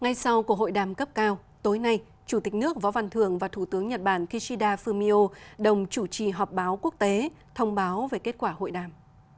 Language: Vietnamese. ngay sau cuộc hội đàm cấp cao tối nay chủ tịch nước võ văn thường và thủ tướng nhật bản kishida fumio đồng chủ trì họp báo quốc tế thông báo về kết quả hội đàm